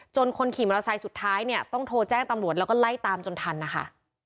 คนขี่มอเตอร์ไซค์สุดท้ายเนี่ยต้องโทรแจ้งตำรวจแล้วก็ไล่ตามจนทันนะคะ